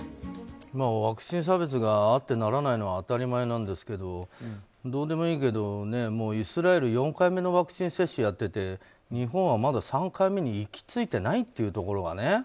ワクチン差別があってならないのは当たり前なんですがどうでもいいけどイスラエル４回目のワクチン接種をやっていて日本はまだ３回目に行き着いてないというところがね。